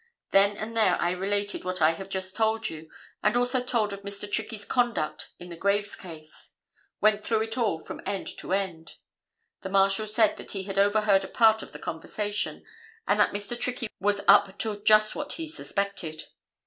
Then and there I related what I have just told you, and also told of Mr. Trickey's conduct in the Graves case. Went through it all from end to end. The Marshal said that he had overheard a part of the conversation, and that Mr. Trickey was up to just what he suspected.